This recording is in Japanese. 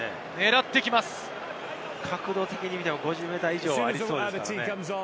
角度的に見ても５０ｍ以上ありそうです。